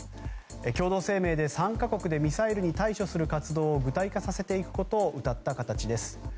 共同声明で３か国でミサイルに対処する活動を具体化させていくことをうたった形です。